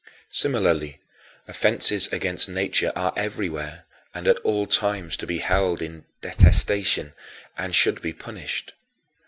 Similarly, offenses against nature are everywhere and at all times to be held in detestation and should be punished.